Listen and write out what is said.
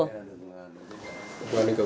để phòng ngừa hỏa hoạn